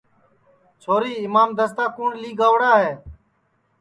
چھوری اِمام دستا کُوٹؔ لی گئوڑا ہے